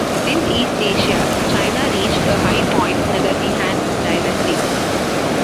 In East Asia, China reached a high point under the Han Dynasty.